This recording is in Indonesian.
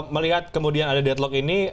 melihat kemudian ada deadlock ini